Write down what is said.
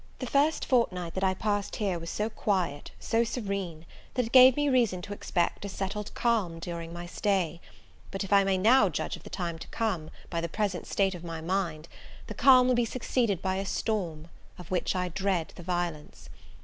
THE first fortnight that I passed here was so quiet, so serene, that it gave me reason to expect a settled calm during my stay; but if I may now judge of the time to come, by the present state of my mind, the calm will be succeeded by a storm, of which I dread the violence!